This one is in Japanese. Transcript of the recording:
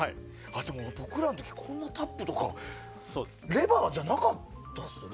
僕らの時、こんなタップとかレバーじゃなかったですよね。